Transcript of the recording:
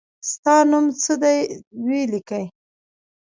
ستا نوم څه دی وي لیکی